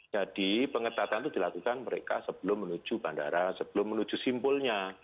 jadi pengetatan itu dilakukan mereka sebelum menuju bandara sebelum menuju simpulnya